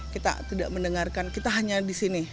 kita tidak mendengarkan kita hanya di sini